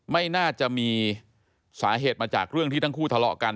ไม่น่าจะมีสาเหตุมาจากเรื่องที่ทั้งคู่ทะเลาะกัน